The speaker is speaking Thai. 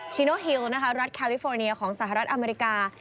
ชิโนฮิลนะคะรัฐแคลิฟอร์เนียของสหรัฐอเมริกา